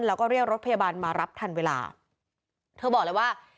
แล้วก็เรียกรถพยาบาลมารับทันเวลาเธอบอกเลยว่า